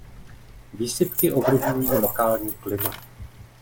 Výsypky ovlivňují lokální klima.